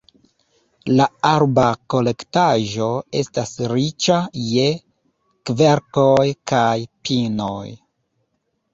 La arba kolektaĵo estas riĉa je kverkoj kaj pinoj.